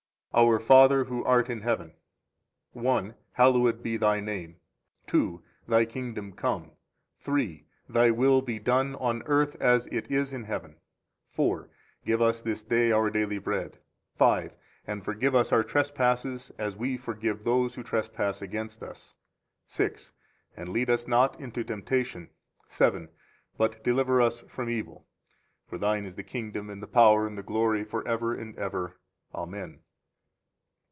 Our Father who art in heaven. 1. Hallowed be Thy name. 2. Thy kingdom come. 3. Thy will be done on earth as it is in heaven. 4. Give us this day our daily bread. 5. And forgive us our trespasses as we for give those who trespass against us. 6. And lead us not into temptation. 7. But deliver us from evil. [For Thine is the kingdom and the power and the glory, forever and ever.] Amen.